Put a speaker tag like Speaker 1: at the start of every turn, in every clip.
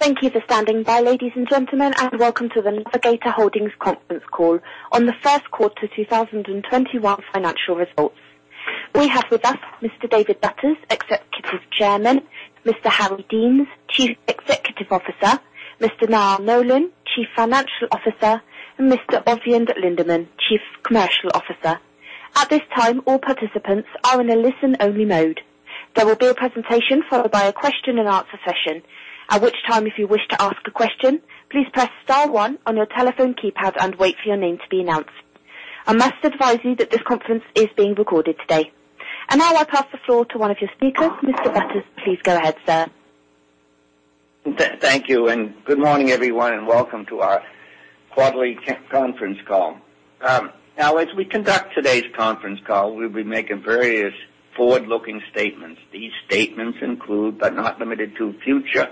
Speaker 1: Thank you for standing by. Ladies and gentlemen, welcome to the Navigator Holdings conference call on the first quarter 2021 financial results. We have with us Mr. David Butters, Executive Chairman, Mr. Harry Deans, Chief Executive Officer, Mr. Niall Nolan, Chief Financial Officer, Mr. Oeyvind Lindeman, Chief Commercial Officer. At this time, all participants are in a listen-only mode. There will be a presentation followed by a question and answer session. At which time if you wish to ask a question, please press star one on your telephone keypad and wait for your name to be announced. I must advise you that this conference is being recorded today. Now I pass the floor to one of your speakers. Mr. Butters, please go ahead, sir.
Speaker 2: Thank you, and good morning, everyone, and welcome to our quarterly conference call. As we conduct today's conference call, we'll be making various forward-looking statements. These statements include, but are not limited to, future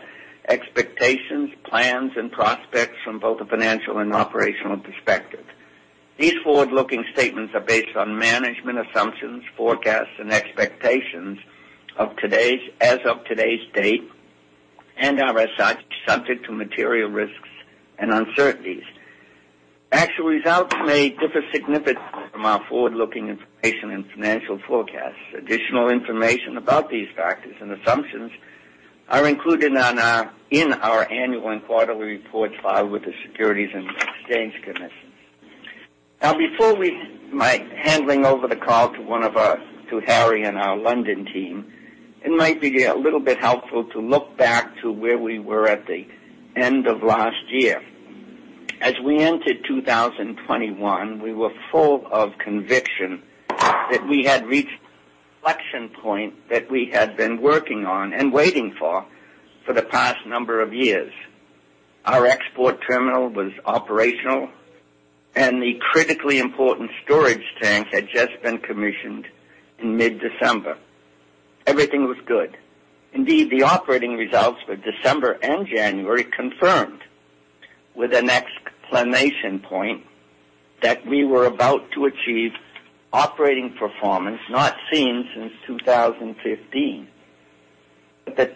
Speaker 2: expectations, plans, and prospects from both a financial and operational perspective. These forward-looking statements are based on management assumptions, forecasts, and expectations as of today's date and are subject to material risks and uncertainties. Actual results may differ significantly from our forward-looking information and financial forecasts. Additional information about these factors and assumptions are included in our annual and quarterly reports filed with the Securities and Exchange Commission. Before handing over the call to Harry and our London team, it might be a little bit helpful to look back to where we were at the end of last year. As we entered 2021, we were full of conviction that we had reached an inflection point that we had been working on and waiting for the past number of years. Our export terminal was operational, and the critically important storage tank had just been commissioned in mid-December. Everything was good. Indeed, the operating results for December and January confirmed, with an exclamation point, that we were about to achieve operating performance not seen since 2015. The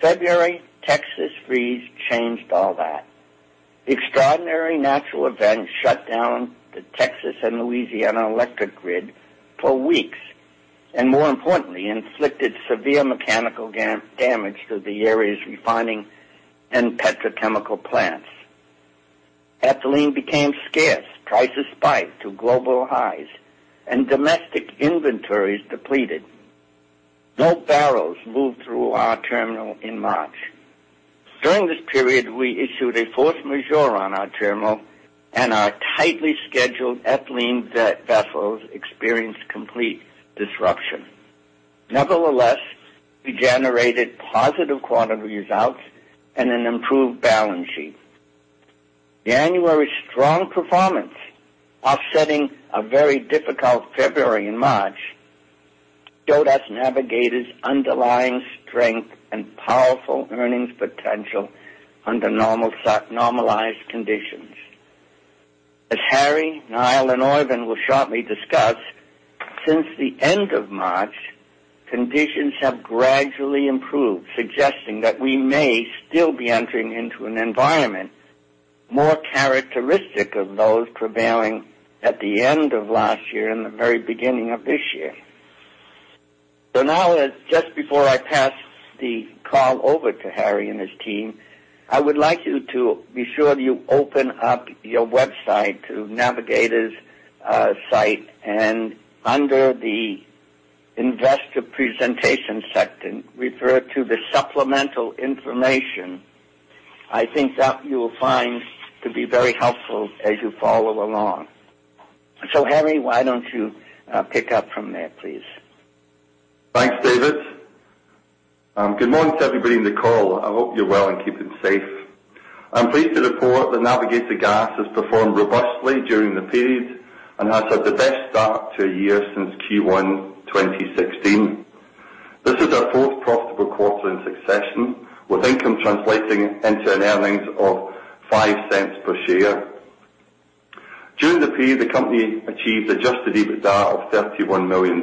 Speaker 2: February Texas freeze changed all that. The extraordinary natural event shut down the Texas and Louisiana electric grid for weeks, and more importantly, inflicted severe mechanical damage to the area's refining and petrochemical plants. Ethylene became scarce, prices spiked to global highs, and domestic inventories depleted. No barrels moved through our terminal in March. During this period, we issued a force majeure on our terminal, and our tightly scheduled ethylene vessels experienced complete disruption. Nevertheless, we generated positive quarterly results and an improved balance sheet. January's strong performance offsetting a very difficult February and March showed us Navigator's underlying strength and powerful earnings potential under normalized conditions. As Harry, Niall, and Oeyvind will shortly discuss, since the end of March, conditions have gradually improved, suggesting that we may still be entering into an environment more characteristic of those prevailing at the end of last year and the very beginning of this year. Just before I pass the call over to Harry and his team, I would like you to be sure you open up your website to Navigator's site, and under the investor presentation section, refer to the supplemental information. I think that you will find to be very helpful as you follow along. Harry, why don't you pick up from there, please?
Speaker 3: Thanks, David. Good morning to everybody on the call. I hope you are well and keeping safe. I am pleased to report that Navigator Gas has performed robustly during the period, has had the best start to a year since Q1 2016. This is our fourth profitable quarter in succession, with income translating into an earnings of $0.05 per share. During the period, the company achieved adjusted EBITDA of $31 million,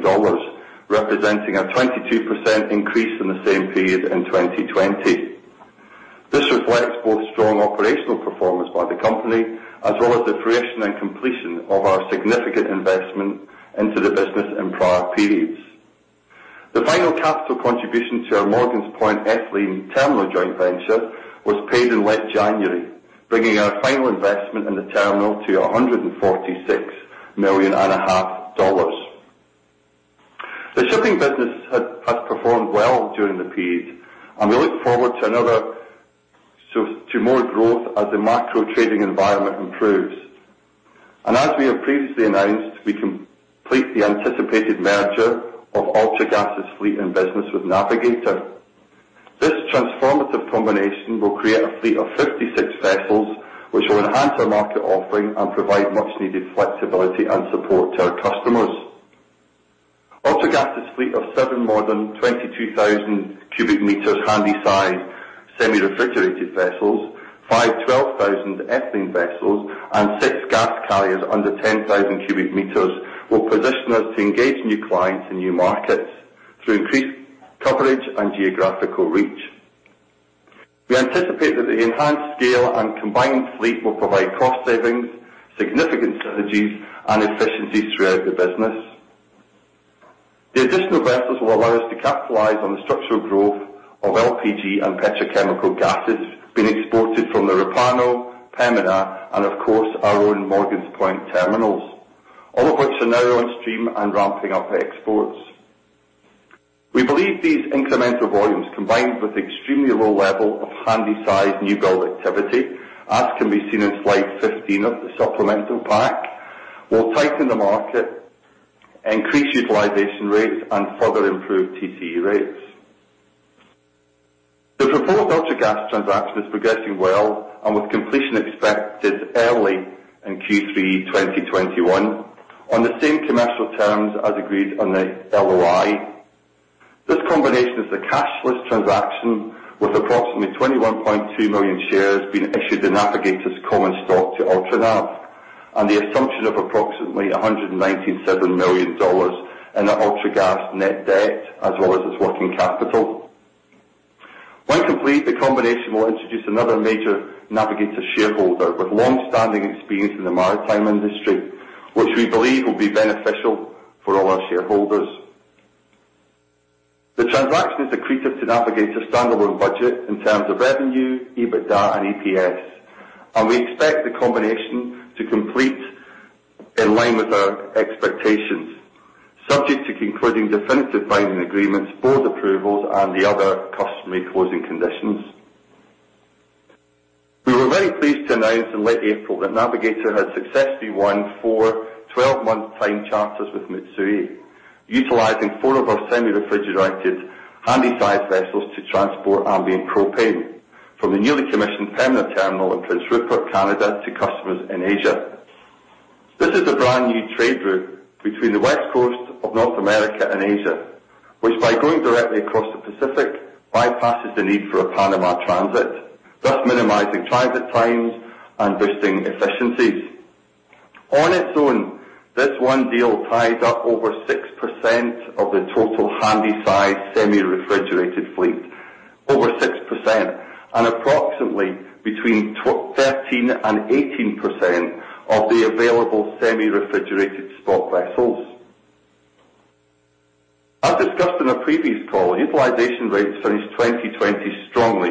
Speaker 3: representing a 22% increase from the same period in 2020. This reflects both strong operational performance by the company as well as the [fruition] and completion of our significant investment into the business in prior periods. The final capital contribution to our Morgan's Point Ethylene Terminal joint venture was paid in late January, bringing our final investment in the terminal to $146.5 million. The shipping business has performed well during the period and looks forward to more growth as the macro trading environment improves. As we have previously announced, we complete the anticipated merger of Ultragas' fleet and business with Navigator. This transformative combination will create a fleet of 56 vessels, which will enhance our market offering and provide much needed flexibility and support to our customers. Ultragas' fleet of seven modern 22,000 cu m Handysize semi-refrigerated vessels five 12,000 ethylene vessels and six gas carriers under 10,000 cu m will position us to engage new clients in new markets to increase coverage and geographical reach. We anticipate that the enhanced scale and combined fleet will provide cost savings, significant synergies, and efficiencies throughout the business. The additional vessels will allow us to capitalize on the structural growth of LPG and petrochemical gases being exported from the Repauno, Pembina, and of course, our own Morgan's Point terminals, all of which are now on stream and ramping up exports. We believe these incremental volumes, combined with extremely low level of Handysize new build activity, as can be seen in slide 15 of the supplemental pack, will tighten the market, increase utilization rates, and further improve TCE rates. The proposed Ultragas transaction is progressing well and with completion expected early in Q3 2021 on the same commercial terms as agreed on the LOI. This combination is a cashless transaction with approximately 21.2 million shares being issued to Navigator's common stock to Ultranav, and the assumption of approximately $197 million in Ultragas net debt as well as its working capital. When complete, the combination will introduce another major Navigator shareholder with long-standing experience in the maritime industry, which we believe will be beneficial for all our shareholders. The transaction is accretive to Navigator's standalone budget in terms of revenue, EBITDA, and EPS, and we expect the combination to complete in line with our expectations, subject to concluding definitive buying agreements, board approvals, and the other customary closing conditions. We were very pleased to announce in late April that Navigator had successfully won four 12-month time charters with Mitsui, utilizing four of our semi-refrigerated Handysize vessels to transport ambient propane from the newly commissioned Pembina terminal in Prince Rupert, Canada, to customers in Asia. This is a brand new trade route between the west coast of North America and Asia, which by going directly across the Pacific, bypasses the need for a Panama transit, thus minimizing transit times and boosting efficiencies. On its own, this one deal ties up over 6% of the total Handysize semi-refrigerated fleet, over 6%, and approximately between 13% and 18% of the available semi-refrigerated spot vessels. As discussed in our previous call, utilization rates finished 2020 strongly,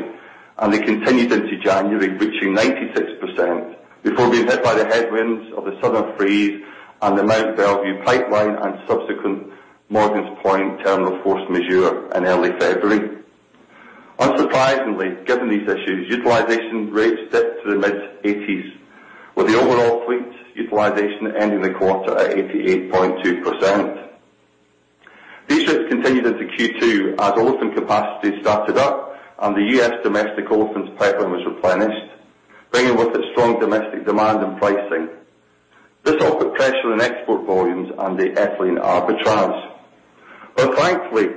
Speaker 3: and they continued into January, reaching 96%, before being hit by the headwinds of the southern freeze and the Mont Belvieu Pipeline and subsequent Morgan's Point Ethylene Terminal force majeure in early February. Unsurprisingly, given these issues, utilization rates dipped to the mid-80s, with the overall fleet utilization ending the quarter at 88.2%. These risks continued into Q2 as open capacity started up and the U.S. domestic open pipe was replenished, bringing with it strong domestic demand and pricing. This put pressure on export volumes and the ethylene arbitrage. Thankfully,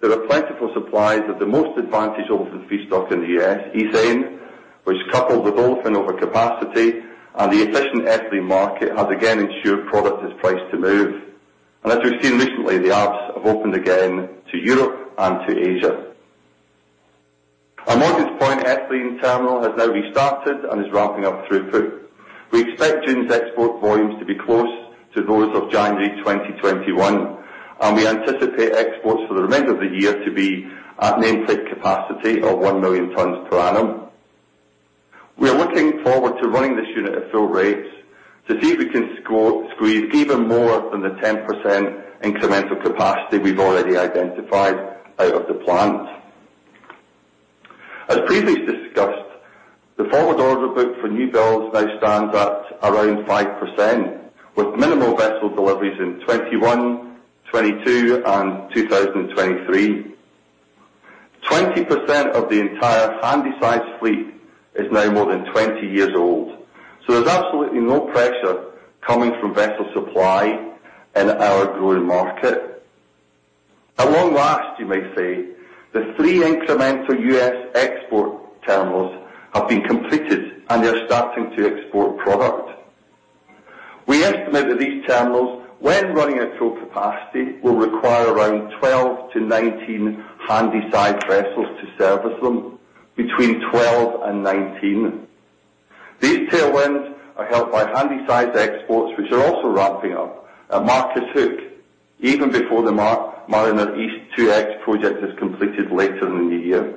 Speaker 3: there are plentiful supplies of the most advantageous olefin feedstock in the U.S., ethane, which coupled with olefin overcapacity and the efficient ethylene market, has again ensured product is priced to move. As we've seen recently, the arbs have opened again to Europe and to Asia. Our Morgan's Point Ethylene Terminal has now restarted and is ramping up throughput. We expect June's export volumes to be close to those of January 2021, and we anticipate exports for the remainder of the year to be at nameplate capacity of 1 million tons per annum. We are looking forward to running this unit at full rates to see if we can squeeze even more from the 10% incremental capacity we've already identified out of the plant. As previously discussed, the forward order book for new builds now stands at around 5%, with minimal vessel deliveries in 2021, 2022, and 2023. 20% of the entire Handysize fleet is now more than 20 years old, so there's absolutely no pressure coming from vessel supply in our growing market. One last, you may say, the three incremental U.S. export terminals have been completed and are starting to export product. We estimate that these terminals, when running at full capacity, will require around 12 to 19 Handysize vessels to service them, between 12 and 19. These tailwinds are helped by Handysize exports, which are also ramping up at Marcus Hook even before the Mariner East 2X project is completed later in the year.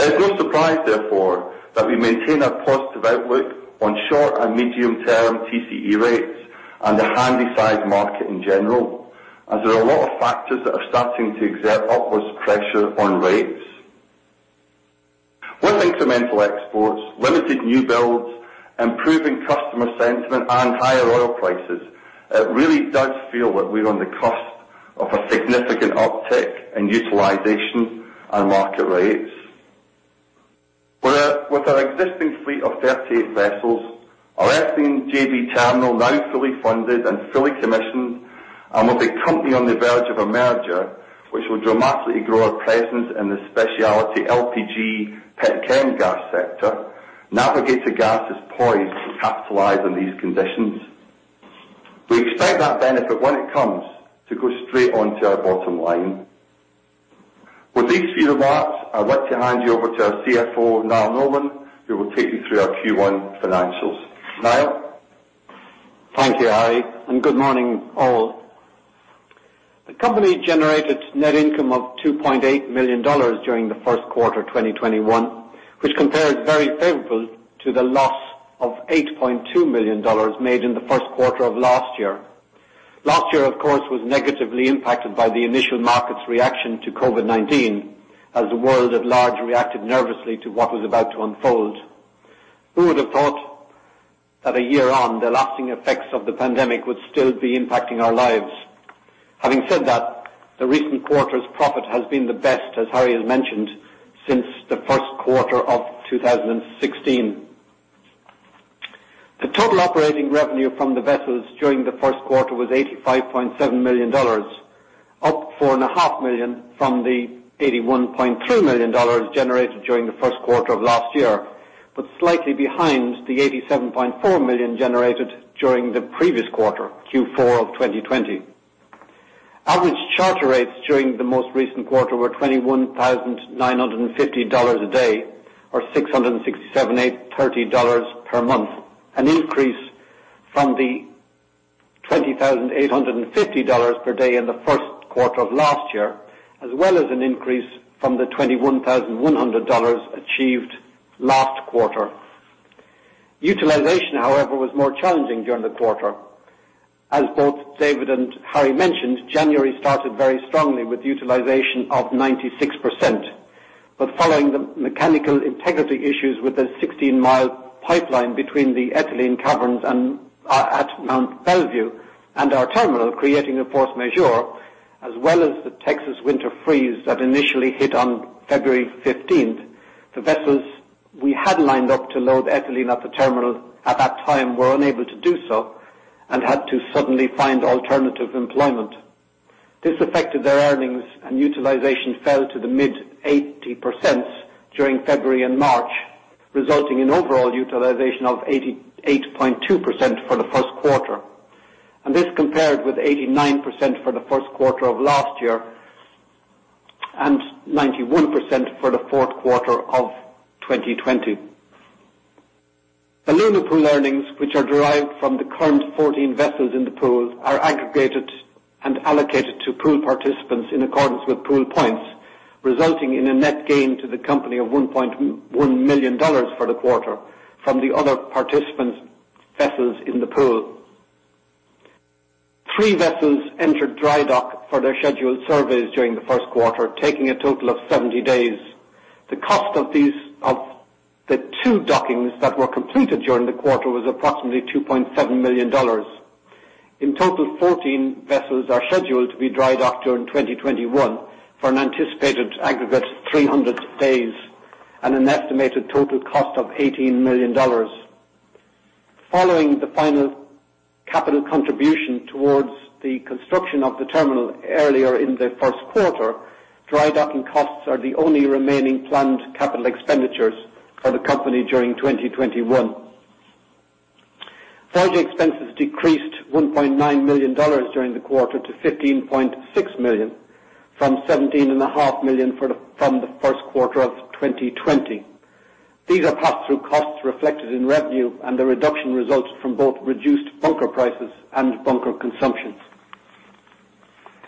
Speaker 3: It is no surprise, therefore, that we maintain a positive outlook on short and medium term TCE rates and the Handysize market in general, as there are a lot of factors that are starting to exert upwards pressure on rates. With incremental exports, limited new builds, improving customer sentiment, and higher oil prices, it really does feel that we're on the cusp of a significant uptick in utilization and market rates. With our existing fleet of 38 vessels, our ethylene JV terminal now fully funded and fully commissioned. With a company on the verge of a merger, which will dramatically grow our presence in the specialty LPG petchem gas sector, Navigator Gas is poised to capitalize on these conditions. We expect that benefit, when it comes, to go straight onto our bottom line. With these few remarks, I'd like to hand you over to our CFO, Niall Nolan, who will take you through our Q1 financials. Niall?
Speaker 4: Thank you, Harry, and good morning, all. The company generated net income of $2.8 million during the first quarter of 2021, which compares very favorably to the loss of $8.2 million made in the first quarter of last year. Last year, of course, was negatively impacted by the initial market's reaction to COVID-19 as the world at large reacted nervously to what was about to unfold. Who would have thought that a year on, the lasting effects of the pandemic would still be impacting our lives? Having said that, the recent quarter's profit has been the best, as Harry has mentioned, since the first quarter of 2016. The total operating revenue from the vessels during the first quarter was $85.7 million, up $4.5 million from the $81.3 million generated during the first quarter of last year, but slightly behind the $87.4 million generated during the previous quarter, Q4 of 2020. Average charter rates during the most recent quarter were $21,950 a day or $667,830 per month, an increase from the $20,850 per day in the first quarter of last year, as well as an increase from the $21,100 achieved last quarter. Utilization, however, was more challenging during the quarter. As both David and Harry mentioned, January started very strongly with utilization of 96%, but following the mechanical integrity issues with the 16-mi pipeline between the ethylene caverns at Mont Belvieu and our terminal, creating a force majeure, as well as the Texas winter freeze that initially hit on February 15th, the vessels we had lined up to load ethylene at the terminal at that time were unable to do so and had to suddenly find alternative employment. This affected their earnings, utilization fell to the mid-80% during February and March, resulting in overall utilization of 88.2% for the first quarter. This compared with 89% for the first quarter of last year and 91% for the fourth quarter of 2020. The Luna Pool earnings, which are derived from the current 14 vessels in the pool, are aggregated and allocated to pool participants in accordance with pool points, resulting in a net gain to the company of $1.1 million for the quarter from the other participants' vessels in the pool. Three vessels entered dry dock for their scheduled surveys during the first quarter, taking a total of 70 days. The cost of the two dockings that were completed during the quarter was approximately $2.7 million. In total, 14 vessels are scheduled to be dry docked during 2021 for an anticipated aggregate of 300 days and an estimated total cost of $18 million. Following the final capital contribution towards the construction of the terminal earlier in the first quarter, dry docking costs are the only remaining planned capital expenditures for the company during 2021. Project expenses decreased $1.9 million during the quarter to $15.6 million from $17.5 million from the first quarter of 2020. These are pass-through costs reflected in revenue, and the reduction results from both reduced bunker prices and bunker consumption.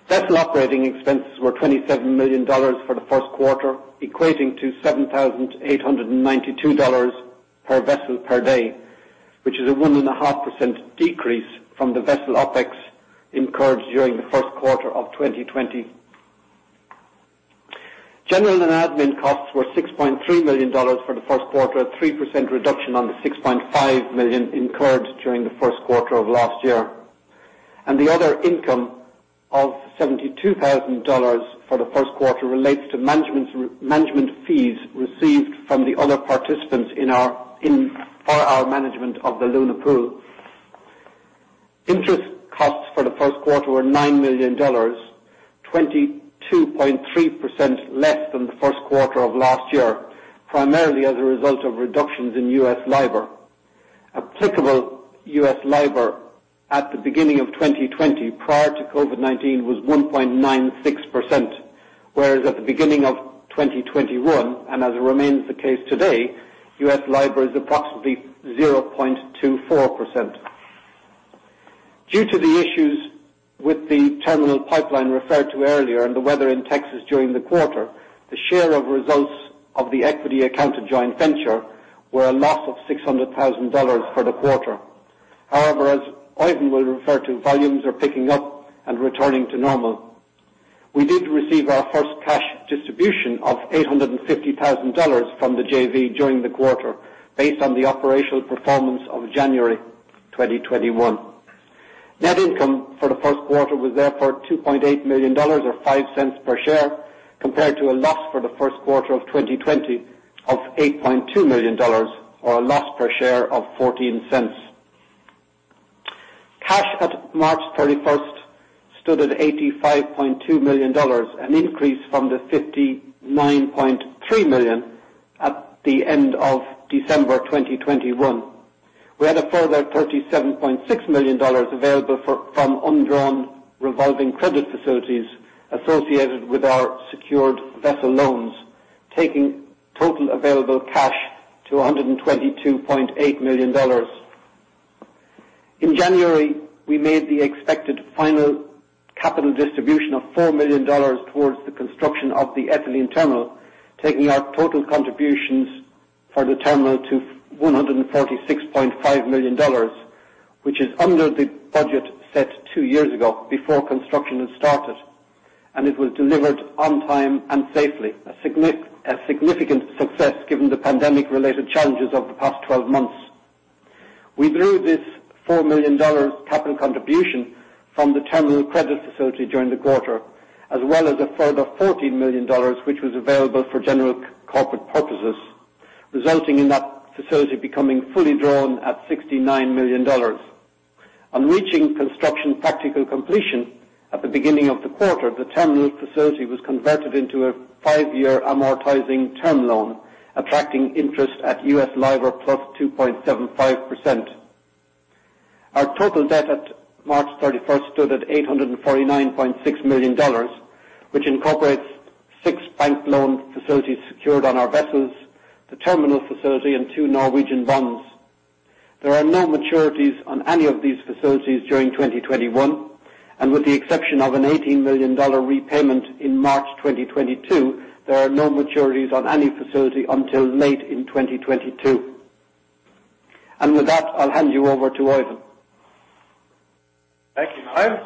Speaker 4: Vessel operating expenses were $27 million for the first quarter, equating to $7,892 per vessel per day, which is a 1.5% decrease from the vessel OpEx incurred during the first quarter of 2020. General and admin costs were $6.3 million for the first quarter, a 3% reduction on the $6.5 million incurred during the first quarter of last year. The other income of $72,000 for the first quarter relates to management fees received from the other participants for our management of the Luna Pool. Interest costs for the first quarter were $9 million, 22.3% less than the first quarter of last year, primarily as a result of reductions in U.S. LIBOR. Applicable U.S. LIBOR at the beginning of 2020 prior to COVID-19 was 1.96%, whereas at the beginning of 2021, and as remains the case today, U.S. LIBOR is approximately 0.24%. Due to the issues with the terminal pipeline referred to earlier and the weather in Texas during the quarter, the share of results of the equity account of joint venture were a loss of $600,000 for the quarter. However, as Oeyvind will refer to, volumes are picking up and returning to normal. We did receive our first cash distribution of $850,000 from the JV during the quarter based on the operational performance of January 2021. Net income for the first quarter was therefore $2.8 million, or $0.05 per share, compared to a loss for the first quarter of 2020 of $8.2 million, or a loss per share of $0.14. Cash at March 31st stood at $85.2 million, an increase from the $59.3 million at the end of December 2021. We had a further $37.6 million available from undrawn revolving credit facilities associated with our secured vessel loans, taking total available cash to $122.8 million. In January, we made the expected final capital distribution of $4 million towards the construction of the ethylene terminal, taking our total contributions for the terminal to $146.5 million, which is under the budget set two years ago before construction had started, and it was delivered on time and safely. A significant success given the pandemic-related challenges of the past 12 months. We drew this $4 million capital contribution from the terminal credit facility during the quarter, as well as a further $14 million, which was available for general corporate purposes, resulting in that facility becoming fully drawn at $69 million. On reaching construction practical completion at the beginning of the quarter, the terminal facility was converted into a five-year amortizing term loan, attracting interest at U.S. LIBOR +2.75%. Our total debt at March 31st stood at $849.6 million, which incorporates six bank loan facilities secured on our vessels, the terminal facility, and two Norwegian bonds. There are no maturities on any of these facilities during 2021, and with the exception of an $18 million repayment in March 2022, there are no maturities on any facility until late in 2022. With that, I'll hand you over to Oeyvind.
Speaker 5: Thank you, Harry,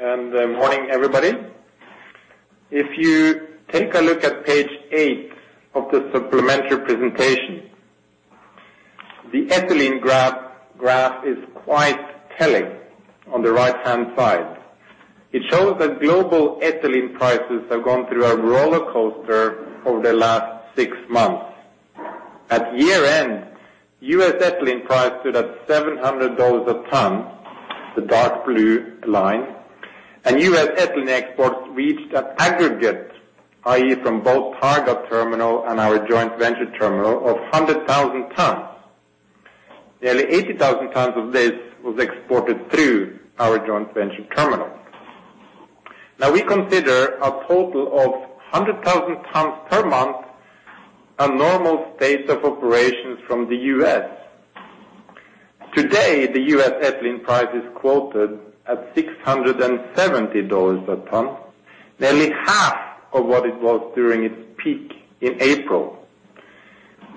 Speaker 5: and morning, everybody. If you take a look at page eight of the supplementary presentation, the ethylene graph is quite telling on the right-hand side. It shows that global ethylene prices have gone through a rollercoaster over the last six months. At year-end, U.S. ethylene prices stood at $700 a ton, the dark blue line, and U.S. ethylene exports reached an aggregate, i.e., from both Targa terminal and our joint venture terminal of 100,000 tons. Nearly 80,000 tons of this was exported through our joint venture terminal. Now, we consider a total of 100,000 tons per month a normal state of operations from the U.S. Today, the U.S. ethylene price is quoted at $670 a ton, nearly half of what it was during its peak in April.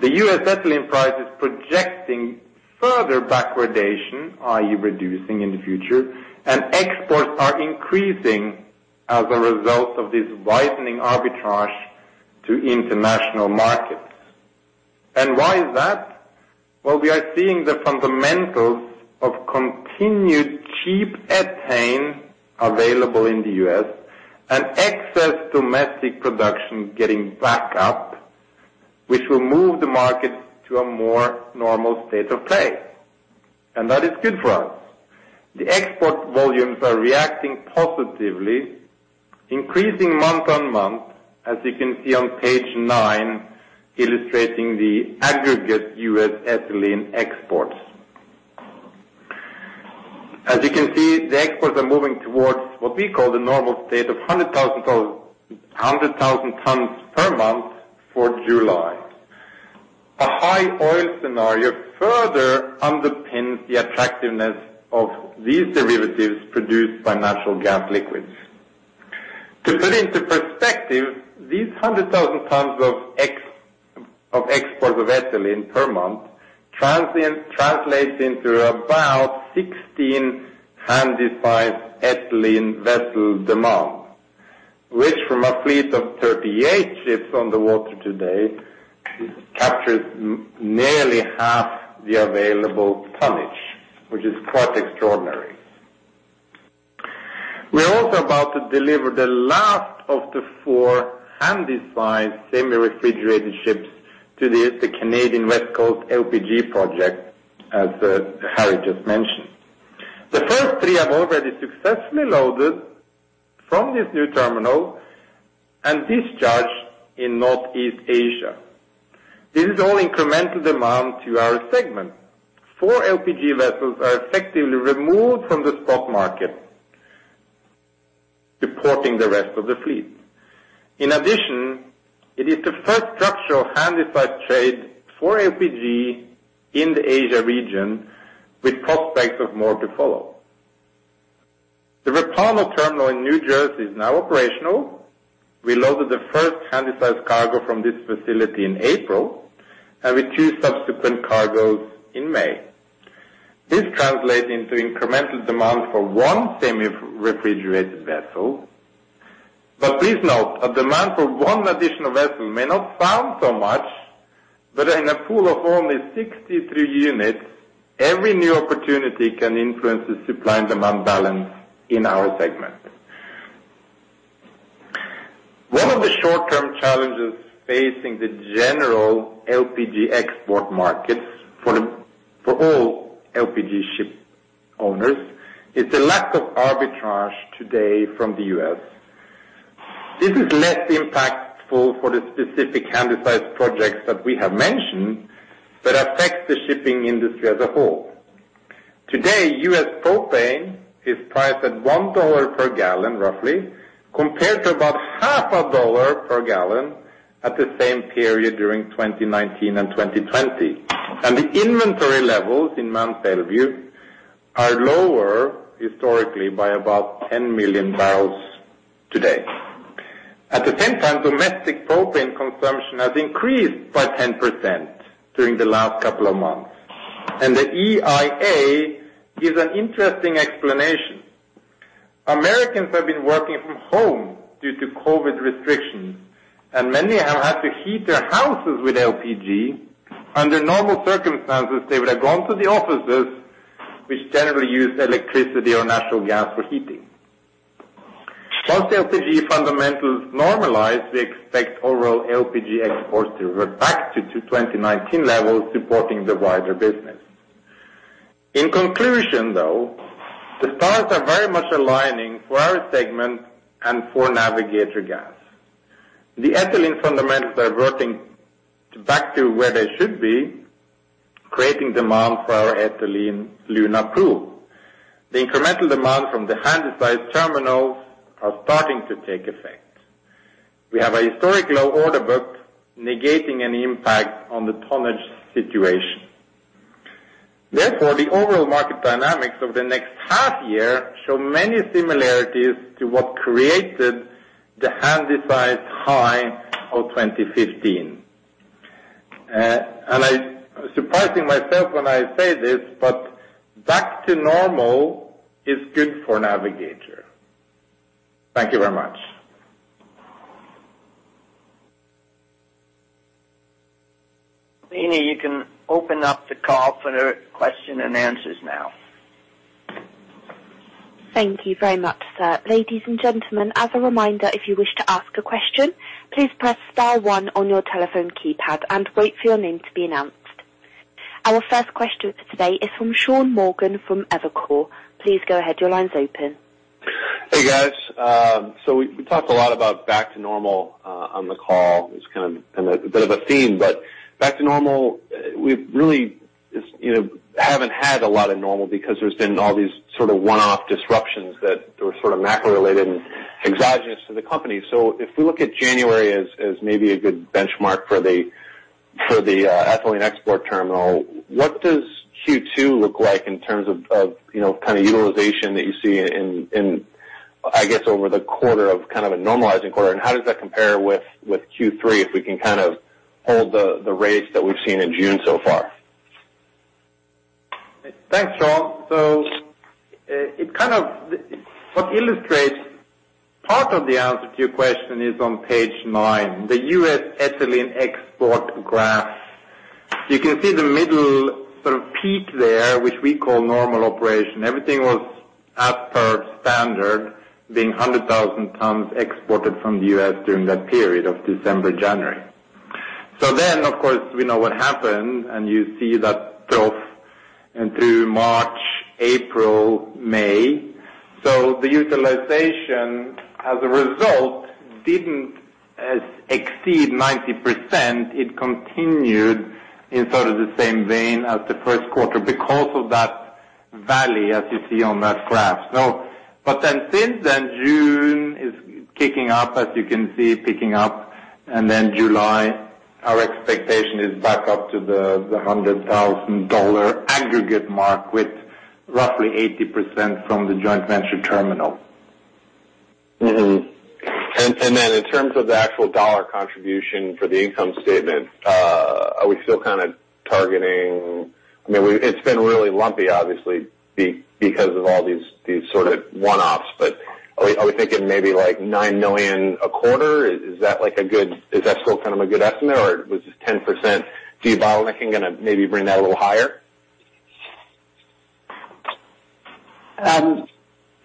Speaker 5: The U.S. ethylene price is projecting further backwardation, i.e., reducing in the future, and exports are increasing as a result of this widening arbitrage to international markets. Why is that? Well, we are seeing the fundamentals of continued cheap ethane available in the U.S. and excess domestic production getting back up, which will move the market to a more normal state of play. That is good for us. The export volumes are reacting positively, increasing month-on-month, as you can see on page nine, illustrating the aggregate U.S. ethylene exports. As you can see, the exports are moving towards what we call the normal state of 100,000 tons per month for July. A high oil scenario further underpins the attractiveness of these derivatives produced by natural gas liquids. To put into perspective, these 100,000 tons of exports of ethylene per month translates into about 16 Handysize ethylene vessel demand. Which from a fleet of 38 ships on the water today captures nearly half the available tonnage, which is quite extraordinary. We are also about to deliver the last of the four Handysize semi-refrigerated ships to the Canadian West Coast LPG project, as Harry just mentioned. The first three have already successfully loaded from this new terminal and discharged in Northeast Asia. This is all incremental demand to our segment. Four LPG vessels are effectively removed from the spot market, supporting the rest of the fleet. In addition, it is the first structural Handysize trade for LPG in the Asia region with prospects of more to follow. The Repauno terminal in New Jersey is now operational. We loaded the 1st Handysize cargo from this facility in April, with two subsequent cargoes in May. This translates into incremental demand for one semi-refrigerated vessel. Please note, a demand for one additional vessel may not sound so much, in a pool of only 63 units, every new opportunity can influence the supply and demand balance in our segment. One of the short-term challenges facing the general LPG export markets for all LPG ship owners is the lack of arbitrage today from the U.S. This is less impactful for the specific Handysize projects that we have mentioned, affects the shipping industry as a whole. Today, U.S. propane is priced at $1 per gallon, roughly, compared to about $0.50 per gallon at the same period during 2019 and 2020. The inventory levels in Mont Belvieu are lower historically by about 10 million barrels today. At the same time, domestic propane consumption has increased by 10% during the last couple of months. The EIA gives an interesting explanation. Americans have been working from home due to COVID-19 restrictions, and many have had to heat their houses with LPG. Under normal circumstances, they would have gone to the offices, which generally use electricity or natural gas for heating. Once LPG fundamentals normalize, we expect overall LPG exports to revert back to 2019 levels, supporting the wider business. In conclusion, though, the stars are very much aligning for our segment and for Navigator Gas. The ethylene fundamentals are reverting back to where they should be, creating demand for our ethylene Luna Pool. The incremental demand from the handysize terminals are starting to take effect. We have a historically low order book negating any impact on the tonnage situation. The overall market dynamics over the next half year show many similarities to what created the handysize high of 2015. Surprising myself when I say this, but back to normal is good for Navigator. Thank you very much.
Speaker 2: [Nina], you can open up the call for question and answers now.
Speaker 1: Thank you very much, sir. Ladies and gentlemen, as a reminder, if you wish to ask a question, please press star one on your telephone keypad and wait for your name to be announced. Our first question for today is from Sean Morgan from Evercore. Please go ahead. Your line's open.
Speaker 6: Hey, guys. We talked a lot about back to normal on the call as kind of a bit of a theme, but back to normal, we really haven't had a lot of normal because there's been all these sort of one-off disruptions that were sort of macro related and exogenous to the company. If we look at January as maybe a good benchmark for the ethylene export terminal, what does Q2 look like in terms of utilization that you see in, I guess, over the quarter of kind of a normalizing quarter? How does that compare with Q3 if we can kind of hold the rates that we've seen in June so far?
Speaker 5: Thanks, Sean. What illustrates part of the answer to your question is on page nine, the U.S. ethylene export graph. You can see the middle sort of peak there, which we call normal operation. Everything was as per standard, being 100,000 tons exported from the U.S. during that period of December, January. Of course, we know what happened, and you see that trough into March, April, May. The utilization as a result didn't exceed 90%. It continued in sort of the same vein as the first quarter because of that valley, as you see on that graph. Since then, June is kicking up, as you can see, picking up, and then July, our expectation is back up to the $100,000 aggregate mark with roughly 80% from the joint venture terminal.
Speaker 6: Then in terms of the actual dollar contribution for the income statement, are we still kind of targeting, I mean, it's been really lumpy, obviously, because of all these sort of one-offs, but are we thinking maybe like $9 million a quarter? Is that still kind of a good estimate, or with the 10% debottlenecking and maybe bring that a little higher?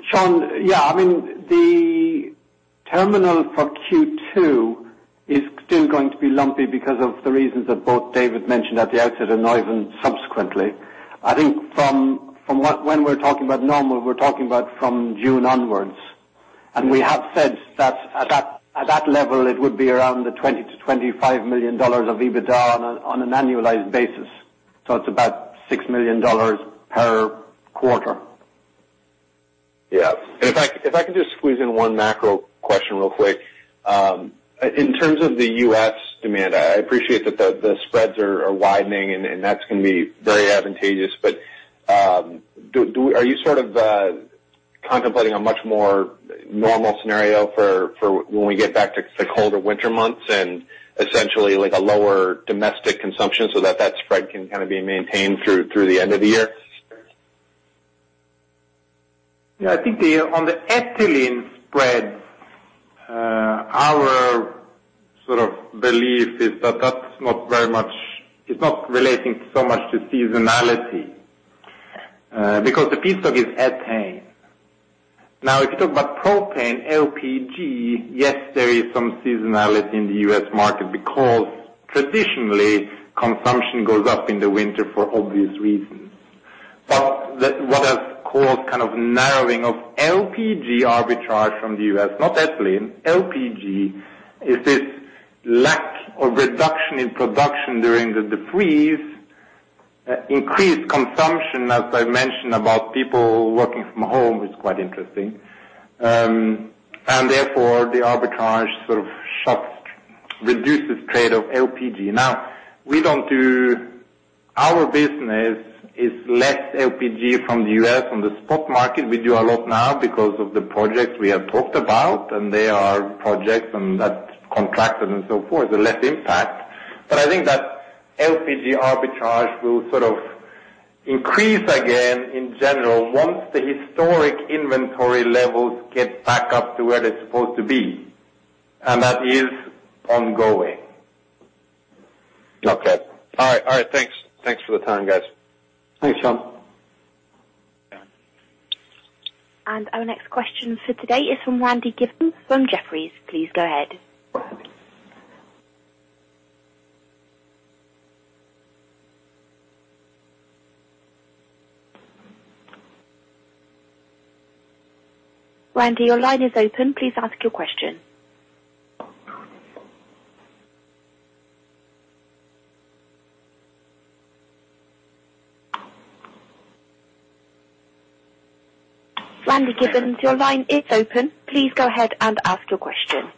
Speaker 4: Sean, yeah, I mean, the terminal for Q2 is still going to be lumpy because of the reasons that both David mentioned at the outset and Oeyvind subsequently. I think from when we're talking about normal, we're talking about from June onwards. We have said that at that level, it would be around the $20 million-$25 million of EBITDA on an annualized basis. It's about $6 million per quarter.
Speaker 6: Yeah. If I can just squeeze in one macro question real quick. In terms of the U.S. demand, I appreciate that the spreads are widening, and that's going to be very advantageous, but are you sort of contemplating a much more normal scenario for when we get back to colder winter months and essentially a lower domestic consumption so that spread can kind of be maintained through the end of the year?
Speaker 5: Yeah, I think on the ethylene spread, our belief is that it's not relating so much to seasonality, because the piece of it is ethane. If you talk about propane, LPG, yes, there is some seasonality in the U.S. market because traditionally consumption goes up in the winter for obvious reasons. What has caused kind of narrowing of LPG arbitrage from the U.S., not ethylene, LPG, is this lack of reduction in production during the freeze, increased consumption, as I mentioned about people working from home, is quite interesting. Therefore the arbitrage sort of reduces trade of LPG. Our business is less LPG from the U.S. on the spot market. We do a lot now because of the projects we have talked about, and they are projects and that contracted and so forth, so less impact. I think that LPG arbitrage will sort of increase again in general once the historic inventory levels get back up to where they're supposed to be. That is ongoing.
Speaker 6: Got that. All right, thanks. Thanks for the time, guys.
Speaker 2: Thanks, Sean.
Speaker 1: Our next question for today is from Randy Giveans from Jefferies. Please go ahead. Randy, your line is open. Please ask your question.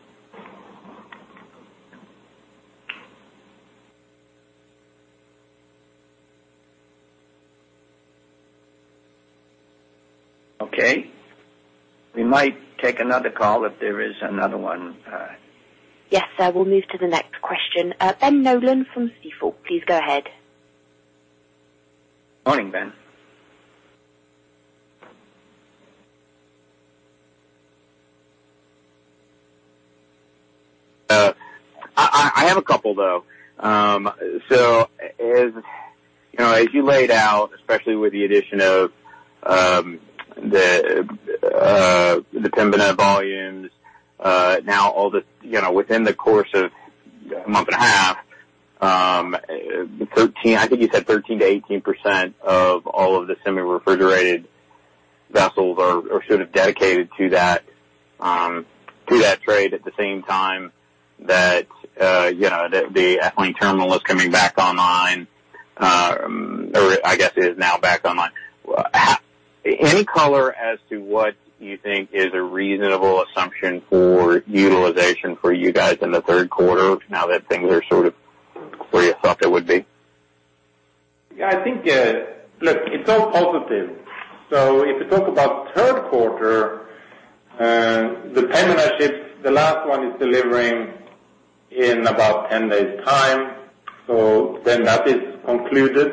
Speaker 2: Okay. We might take another call if there is another one.
Speaker 1: Yes, sir. We'll move to the next question. Ben Nolan from Stifel. Please go ahead.
Speaker 2: Morning, Ben.
Speaker 7: I have a couple, though. As you laid out, especially with the addition of the dependable volumes now all within the course of a month and a half, I think you said 13%-18% of all of the semi-refrigerated vessels are sort of dedicated to that trade at the same time that the ethylene terminal is coming back online, or I guess is now back online. Any color as to what you think is a reasonable assumption for utilization for you guys in the third quarter now that things are sort of where you thought they would be?
Speaker 5: I think, look, it's all positive. If you talk about third quarter, the Pembina ship, the last one is delivering in about 10 days time. That is concluded.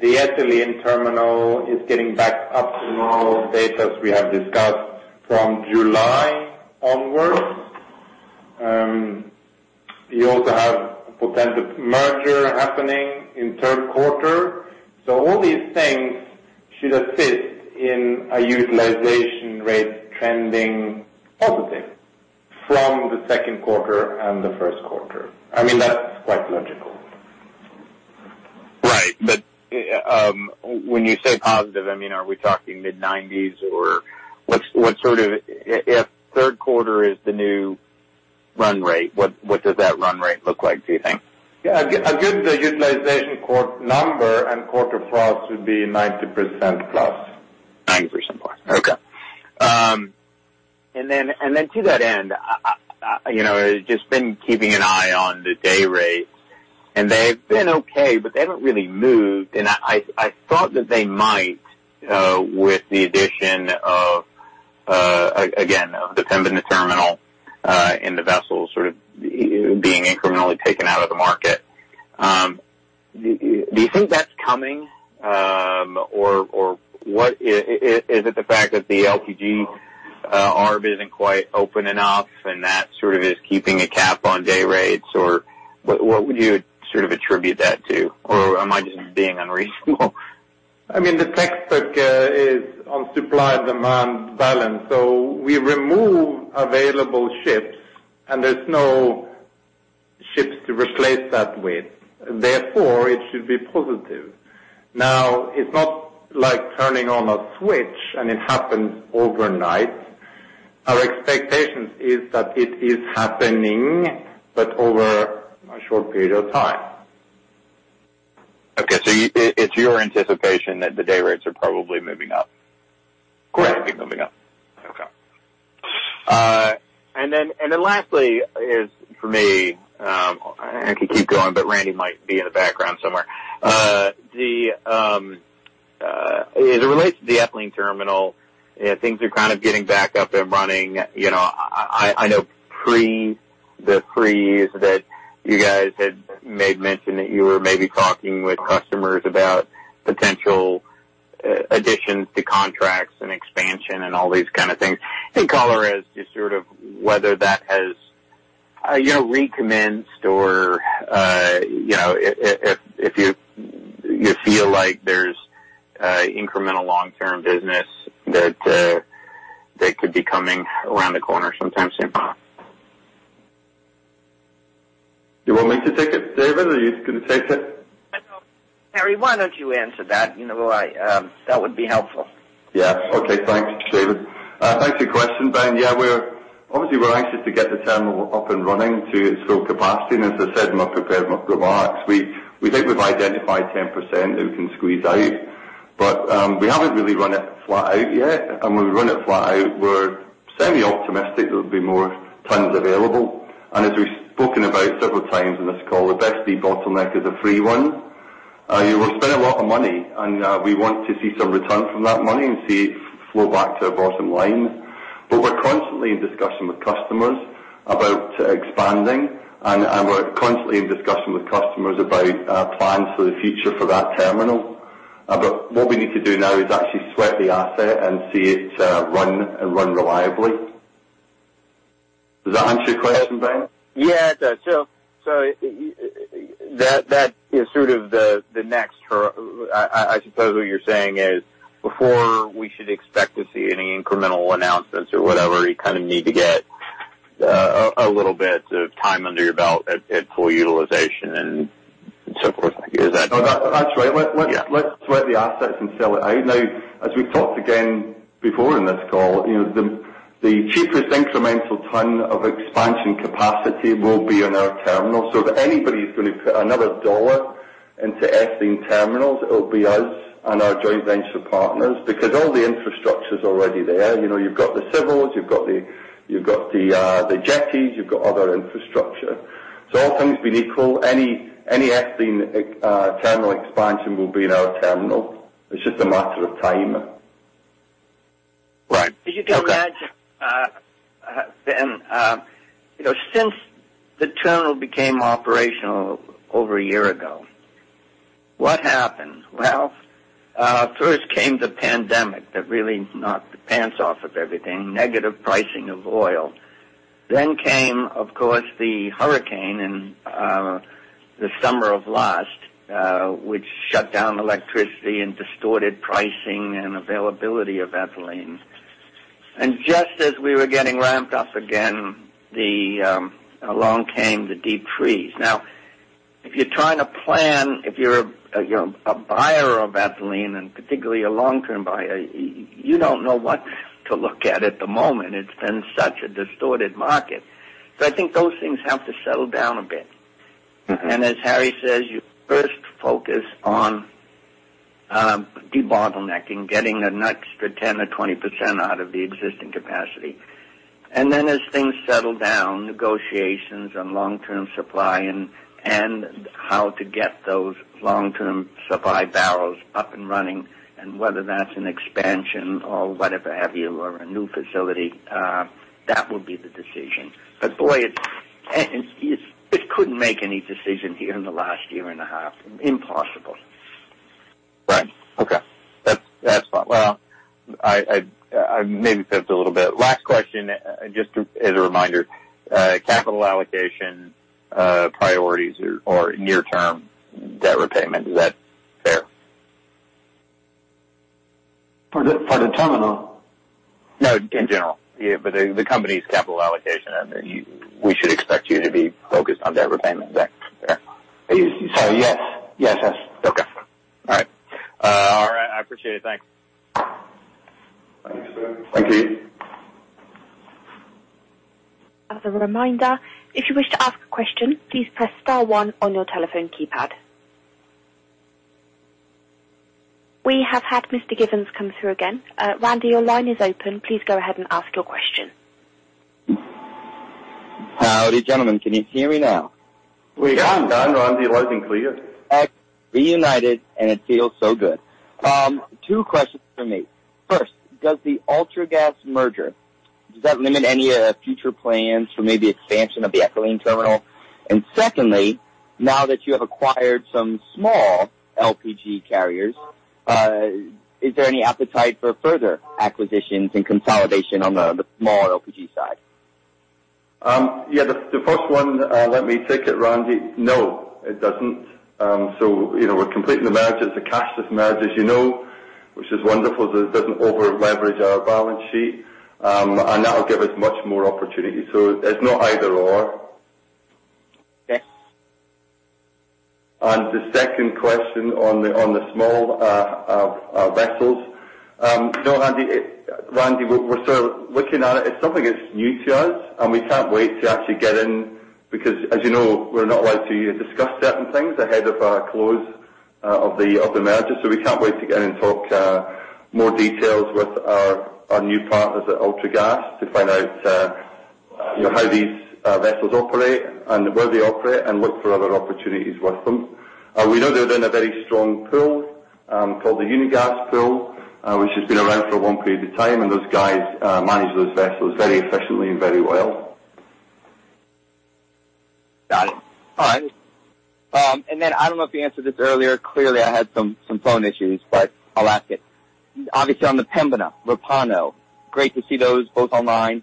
Speaker 5: The ethylene terminal is getting back up to normal status we have discussed from July onwards. You also have potential merger happening in third quarter. All these things should assist in a utilization rate trending positive from the second quarter and the first quarter. I mean, that's quite logical.
Speaker 7: Right. When you say positive, I mean, are we talking mid-90s? If third quarter is the new run rate, what does that run rate look like, do you think?
Speaker 5: I'll give the utilization number and quarter for us would be 90%+.
Speaker 7: 90%+. Okay. To that end, I've just been keeping an eye on the day rates, and they've been okay, but they haven't really moved, and I thought that they might with the addition of, again, the terminal and the vessels sort of being incrementally taken out of the market. Do you think that's coming? Is it the fact that the LPG arm isn't quite open enough and that sort of is keeping a cap on day rates? What would you sort of attribute that to? Am I just being unreasonable?
Speaker 5: I mean, the textbook is on supply and demand balance. We remove available ships, and there's no ships to replace that with, therefore it should be positive. It's not like turning on a switch, and it happens overnight. Our expectation is that it is happening, but over a short period of time.
Speaker 7: Okay. It's your anticipation that the day rates are probably moving up.
Speaker 5: Correct.
Speaker 7: Moving up. Okay. Lastly, for me, I can keep going, but Randy might be in the background somewhere. In relation to the ethylene terminal, things are kind of getting back up and running. I know pre the freeze that you guys had made mention that you were maybe talking with customers about potential additions to contracts and expansion and all these kind of things. Color as to sort of whether that has recommenced or if you feel like there's incremental long-term business that could be coming around the corner sometime soon.
Speaker 3: You want me to take it, David, or are you going to take it?
Speaker 2: Harry, why don't you answer that? That would be helpful.
Speaker 3: Thanks, David. Thanks for your question, Ben. We're obviously anxious to get the terminal up and running to its full capacity. As I said, we think we've identified 10% that we can squeeze out, but we haven't really run it flat out yet. When we run it flat out, we're semi-optimistic there'll be more tons available. As we've spoken about several times on this call, the best debottleneck is a free one. We'll spend a lot of money, and we want to see some return from that money and see it flow back to our bottom line. We're constantly in discussion with customers about expanding, and we're constantly in discussion with customers about plans for the future for that terminal. What we need to do now is actually sweat the asset and see it run reliably. Does that answer your question, Ben?
Speaker 7: Yeah, it does. That is sort of the next I suppose what you're saying is, before we should expect to see any incremental announcements or whatever, you kind of need to get a little bit of time under your belt at full utilization and so forth to give that.
Speaker 3: No, that's right. Let's sweat the assets and sell it out. As we've talked again before in this call, the cheapest incremental ton of expansion capacity will be in our terminal. If anybody's going to put another dollar into ethylene terminals, it'll be us and our joint venture partners, because all the infrastructure's already there. You've got the civils, you've got the jetties, you've got other infrastructure. All things being equal, any ethylene terminal expansion will be in our terminal. It's just a matter of time.
Speaker 2: Right. If you go, Ben, since the terminal became operational over a year ago, what happened? Well, first came the pandemic that really knocked the pants off of everything, negative pricing of oil. Then came, of course, the hurricane in the summer of last, which shut down electricity and distorted pricing and availability of ethylene. Just as we were getting ramped up again, along came the deep freeze. Now, if you're trying to plan, if you're a buyer of ethylene, and particularly a long-term buyer, you don't know what to look at at the moment. It's been such a distorted market. I think those things have to settle down a bit. As Harry says, you first focus on debottlenecking, getting an extra 10%-20% out of the existing capacity. Then as things settle down, negotiations and long-term supply and how to get those long-term supply barrels up and running, and whether that's an expansion or whatever have you, or a new facility, that will be the decision. Boy, you couldn't make any decisions during the last year and a half. Impossible.
Speaker 7: Right. Okay. Well, maybe that's a little bit. Last question, just as a reminder, capital allocation priorities or near-term debt repayment, is that fair?
Speaker 3: For the terminal?
Speaker 7: No, in general. The company's capital allocation, and we should expect you to be focused on debt repayment. Is that fair?
Speaker 3: Yes.
Speaker 7: Okay. All right. I appreciate it. Thanks.
Speaker 2: Thanks, Ben.
Speaker 3: Thank you.
Speaker 1: As a reminder, if you wish to ask a question, please press star one on your telephone keypad. We have had Mr. Giveans come through again. Randy, your line is open. Please go ahead and ask your question.
Speaker 8: Howdy, gentlemen. Can you hear me now?
Speaker 5: We can, Randy. Loud and clear.
Speaker 8: At reunited, and it feels so good. Two questions from me. First, does the Ultragas merger limit any future plans for maybe expansion of the ethylene terminal? Secondly, now that you have acquired some small LPG carriers, is there any appetite for further acquisitions and consolidation on the small LPG side?
Speaker 3: Yeah, the first one, let me take it, Randy. It doesn't. We're completing the merger. It's a cashless merger, as you know, which is wonderful that it doesn't over-leverage our balance sheet. That will give us much more opportunity. It's not either/or.
Speaker 8: Okay.
Speaker 3: The second question on the small vessels. Randy, we're still looking at it. It's something that's new to us, and we can't wait to actually get in because, as you know, we're not allowed to discuss certain things ahead of our close of the merger. We can't wait to get in and talk more details with our new partners at Ultragas to find out how these vessels operate and where they operate and look for other opportunities with them. We know they're in a very strong pool, called the Unigas Pool, which has been around for a long period of time, and those guys manage those vessels very efficiently and very well.
Speaker 8: All right. I don't know if you answered this earlier. Clearly, I had some phone issues, but I'll ask it. Obviously, on the Pembina, Repauno, great to see those both online.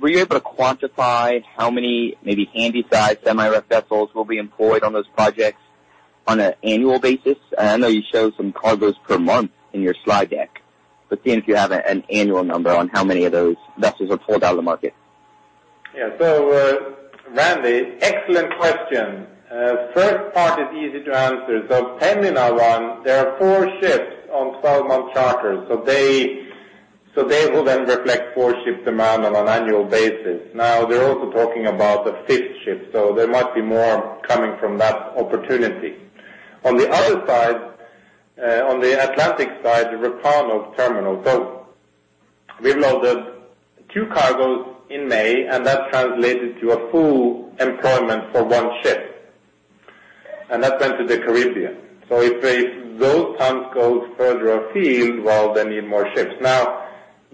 Speaker 8: Were you able to quantify how many maybe handysize semi-refrigerated vessels will be employed on those projects on an annual basis? I know you showed some cargoes per month in your slide deck, but seeing if you have an annual number on how many of those vessels are pulled out of the market.
Speaker 5: Yeah. Randy, excellent question. First part is easy to answer. Pembina, there are four ships on [12-month charter], so they will then reflect four ship demand on an annual basis. They're also talking about a fifth ship, so there might be more coming from that opportunity. On the other side, on the Atlantic side, the Repauno terminal. We loaded two cargoes in May, and that translated to a full employment for one ship, and that went to the Caribbean. If those tons go further afield, well, they need more ships. The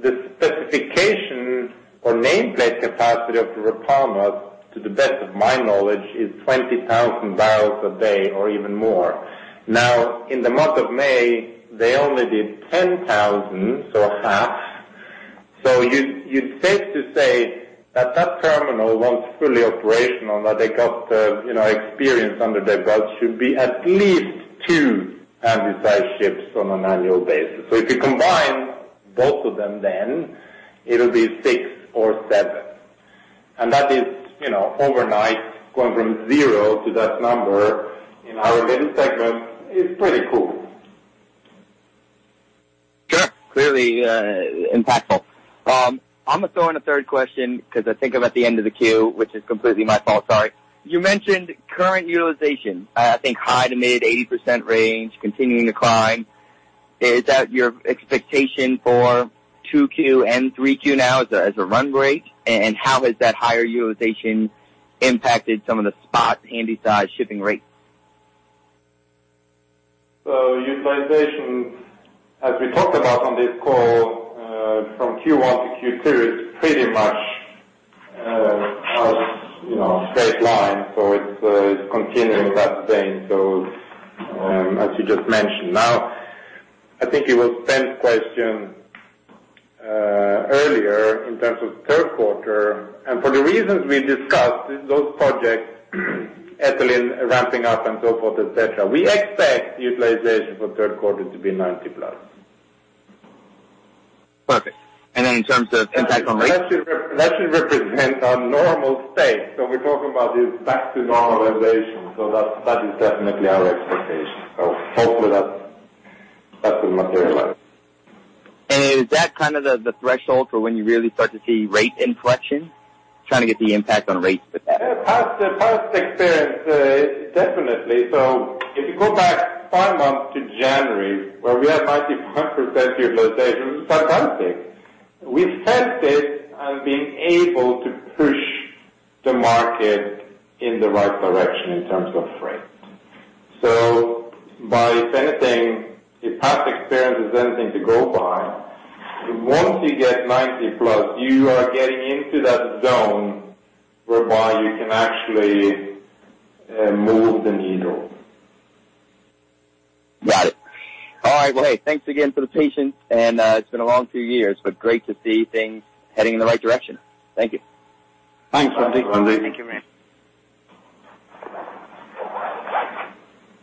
Speaker 5: specifications or nameplate capacity of Repauno, to the best of my knowledge, is 20,000 bbl a day or even more. In the month of May, they only did 10,000 bbl, so half. It's safe to say that that terminal, once fully operational, now they got the experience under their belt, should be at least two Handysize ships on an annual basis. If you combine both of them then, it'll be six or seven. That is overnight going from zero to that number in our little segment is pretty cool.
Speaker 8: Sure. Clearly impactful. I'm going to throw in a third question because I think I'm at the end of the queue, which is completely my fault. Sorry. You mentioned current utilization, I think high to mid 80% range, continuing to climb. Is that your expectation for 2Q and 3Q now as a run rate? How has that higher utilization impacted some of the spot handysize shipping rates?
Speaker 5: Utilization, as we talked about on this call, from Q1 to Q2 is pretty much a straight line, so it's continuing that theme as you just mentioned. Now, I think you asked Ben's question earlier in terms of third quarter, and for the reasons we discussed, those projects, ethylene ramping up and so forth, et cetera, we expect utilization for third quarter to be 90%+.
Speaker 8: Perfect. Then in terms of impact on rates.
Speaker 5: That should represent our normal state. We're talking about is back to normalization, so that is definitely our expectation. Hopefully that will materialize.
Speaker 8: Is that the threshold for when you really start to see rate inflection? Trying to get the impact on rates.
Speaker 5: Past experience, definitely. If you go back five months to January, where we had 91% utilization, it's fantastic. We felt it and being able to push the market in the right direction in terms of freight. By sensing, if past experience is anything to go by, once you get 90%+, you are getting into that zone whereby you can actually move the needle.
Speaker 8: Got it. All right. Well, hey, thanks again for the patience, and it's been a long two years, but great to see things heading in the right direction. Thank you.
Speaker 2: Thanks, Randy.
Speaker 8: Thank you.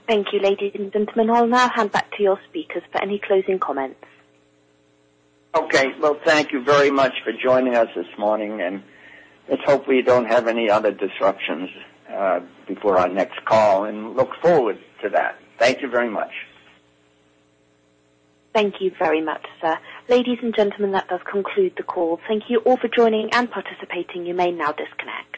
Speaker 1: Thank you, ladies and gentlemen. I will now hand back to your speakers for any closing comments.
Speaker 2: Okay. Well, thank you very much for joining us this morning, and let's hope we don't have any other disruptions before our next call, and look forward to that. Thank you very much.
Speaker 1: Thank you very much, sir. Ladies and gentlemen, that does conclude the call. Thank you all for joining and participating. You may now disconnect.